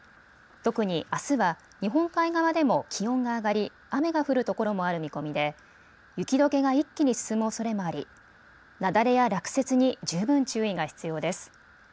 特にあすは日本海側でも気温が上がり、雨が降るところもある見込みで雪どけが一気に進むおそれもあり雪崩や落雪に十分注意が必要です。